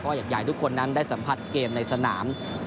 เพราะว่าใหญ่ทุกคนนั้นได้สัมผัสเกมในสนาม